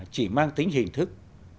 chỉ mang tính hình thức